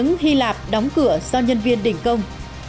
nhiều tài chính hy lạp đóng cửa do nhân viên đỉnh công